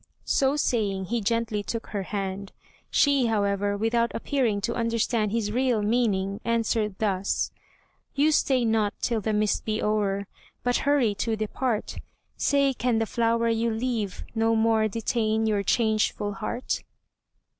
So saying, he gently took her hand; she, however, without appearing to understand his real meaning, answered thus: "You stay not till the mist be o'er, But hurry to depart, Say can the flower you leave, no more Detain your changeful heart?"